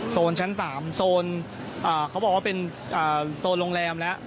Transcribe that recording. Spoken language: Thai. โซนชั้น๓เค้าบอกว่าเป็นโรงแรมแล้ว